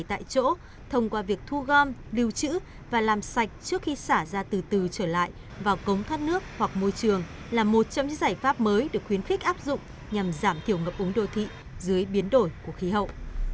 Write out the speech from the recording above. tại chỗ thông qua việc thu gom lưu trữ và làm sạch trước khi xả ra từ từ trở lại vào cống thoát nước hoặc môi trường là một trong những giải pháp mới được khuyến khích áp dụng nhằm giảm thiểu ngập úng đô thị dưới biến đổi của khí hậu